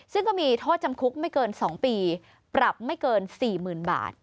ซึ่งก็มีโทษจำคุกไม่เกิน๒ปีปรับไม่เกิน๔๐๐๐บาท